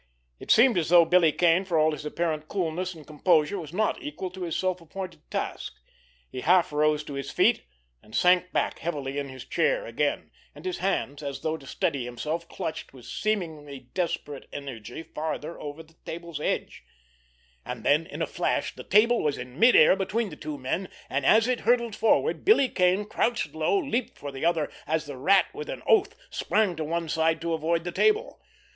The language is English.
It seemed as though Billy Kane, for all his apparent coolness and composure, was not equal to his self appointed task. He half rose to his feet, and sank back heavily in his chair again, and his hands, as though to steady himself, clutched with seemingly desperate energy farther over the table's edge—and then, in a flash, the table was in mid air between the two men, and, as it hurtled forward, Billy Kane, crouched low, leaped for the other, as the Rat, with an oath, sprang to one side to avoid the table.